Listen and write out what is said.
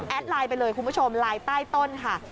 ไลน์ไปเลยคุณผู้ชมไลน์ใต้ต้นค่ะ